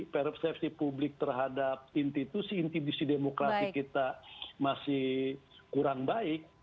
persepsi publik terhadap institusi intimisi demokrasi kita masih kurang baik